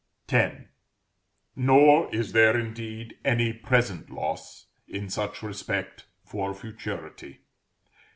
X. Nor is there, indeed, any present loss, in such respect, for futurity.